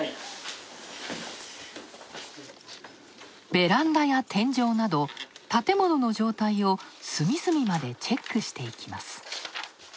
ベランダや天井など建物の状態を隅々までチェックしていきます。